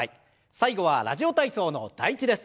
最後は「ラジオ体操」の第１です。